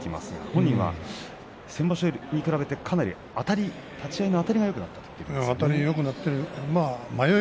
本人は先場所に比べてかなり立ち合いのあたりがよくなったと言っています。